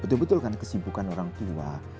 betul betul karena kesibukan orang tua